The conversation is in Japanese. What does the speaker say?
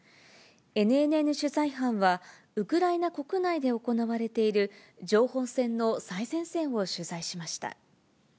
ＮＮＮ取材班は、ウクライナ国内で行われている情報戦の最前線を取材しました。